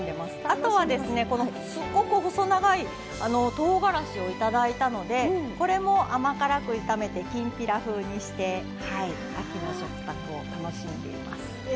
あとは、すっごく細長いとうがらしをいただいたのでこれも甘辛く炒めてきんぴら風にして秋の食卓を楽しんでいます。